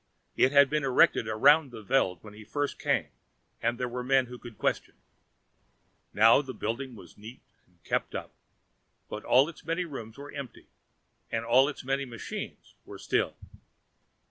It had been erected around the Veld, when he first came and there were men who could question. Now the building was neat and kept up, but all its many rooms were empty, and all its many machines were still.